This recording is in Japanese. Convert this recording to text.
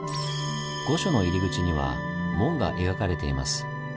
御所の入り口には門が描かれています。